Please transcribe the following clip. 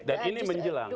dan ini menjelang